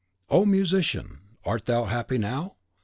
O Musician! art thou happy now?